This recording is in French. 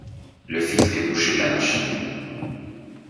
le filtre est bouché de la machine